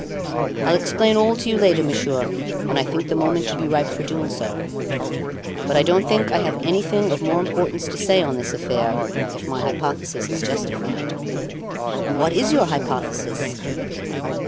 "I'll explain all to you later on, Monsieur, when I think the moment to be ripe for doing so; but I don't think I have anything of more importance to say on this affair, if my hypothesis is justified." "And what is your hypothesis?"